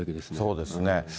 そうですね。